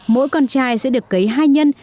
mỗi con chai sẽ được cấy hai nhân